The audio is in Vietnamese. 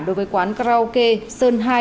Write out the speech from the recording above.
đối với quán karaoke sơn hai